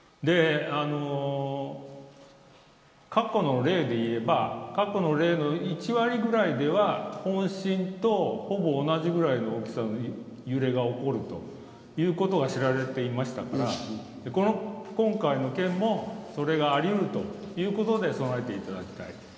で、過去の例で言えば過去の例の１割ぐらいでは本震とほぼ同じくらいの大きさの揺れが起こるということが知られていますから、今回の件もそれがありうるということで備えていただきたい。